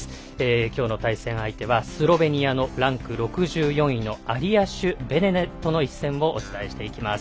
きょうの対戦相手はスロベニアのランク６４位のアリアシュ・ベデネとの一戦をお伝えしていきます。